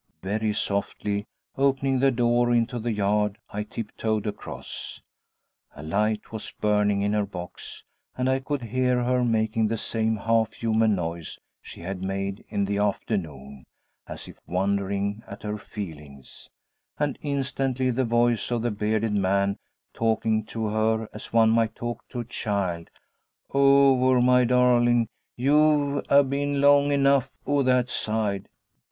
Very softly opening the door into the yard, I tiptoed across. A light was burning in her box. And I could hear her making the same half human noise she had made in the afternoon, as if wondering at her feelings; and instantly the voice of the bearded man talking to her as one might talk to a child: 'Oover, my darlin'; yu've a been long enough o' that side.